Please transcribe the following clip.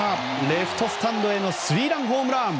レフトスタンドへのスリーランホームラン！